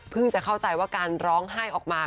จะเข้าใจว่าการร้องไห้ออกมา